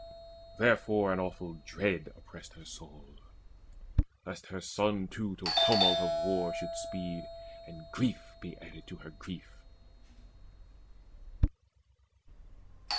Therefore an awful dread oppressed her soul Lest her son too to tumult of the war Should speed, and grief be added to her grief.